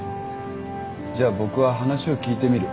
じゃあ僕は話を聞いてみる。